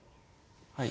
はい。